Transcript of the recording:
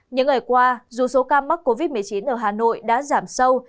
những ngày qua dù số ca mắc covid một mươi chín ở hà nội đã giảm sâu